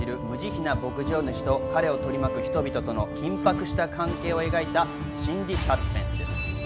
無慈悲な牧場主と彼を取り巻く人々との緊迫した関係を描いた心理サスペンスです。